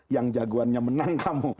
yang jagoannya menang kamu